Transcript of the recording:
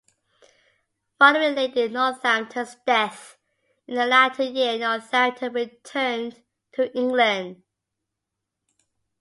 Following Lady Northampton's death in the latter year, Northampton returned to England.